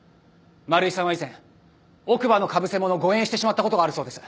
丸井さんは以前奥歯のかぶせ物を誤嚥してしまったことがあるそうです。